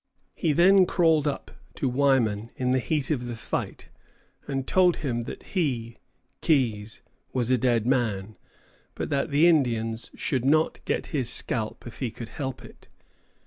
He then crawled up to Wyman in the heat of the fight, and told him that he, Keyes, was a dead man, but that the Indians should not get his scalp if he could help it.